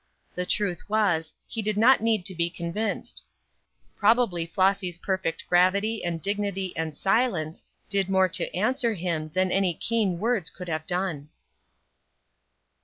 The truth was, he did not need to be convinced. Probably Flossy's perfect gravity, and dignity, and silence, did more to answer him than any keen words could have done.